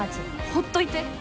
ほっといて。